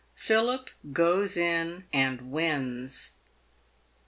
PHILIP " GOES IN AND WINS."